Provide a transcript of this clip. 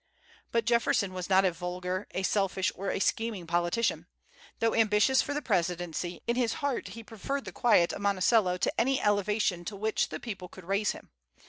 But Jefferson was not a vulgar, a selfish, or a scheming politician. Though ambitious for the presidency, in his heart he preferred the quiet of Monticello to any elevation to which the people could raise him.